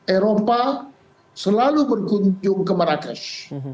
eropa selalu berkunjung ke marrakesh